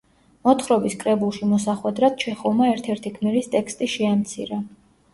მოთხრობის კრებულში მოსახვედრად ჩეხოვმა ერთ-ერთი გმირის ტექსტი შეამცირა.